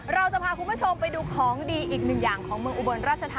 เราจะพาคุณผู้ชมไปดูของดีอีกหนึ่งอย่างของเมืองอุบลราชธา